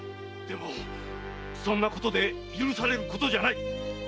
〔でもそんなことで許されることじゃない〕